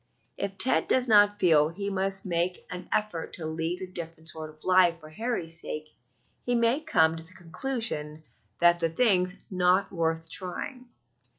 If Ted does not feel he must make an effort to lead a different sort of life for Harold's sake, he may come to the conclusion that the thing's not worth trying.